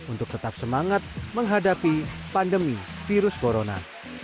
untuk tetap semangat menghadapi pandemi virus corona